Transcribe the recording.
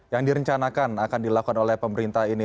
yang direncanakan akan dilakukan oleh pemerintah ini